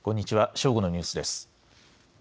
正午のニュースです。